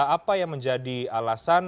apa yang menjadi alasan